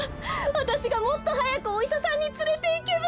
わたしがもっとはやくおいしゃさんにつれていけば。